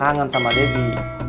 karena kangen sama daddy